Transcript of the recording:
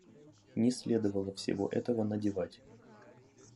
Не следовало всего этого надевать.